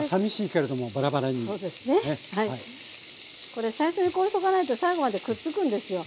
これ最初にこうしとかないと最後までくっつくんですよ。